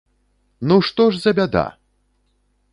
Ну што ж за бяда!